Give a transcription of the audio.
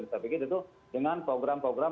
saya pikir itu dengan program program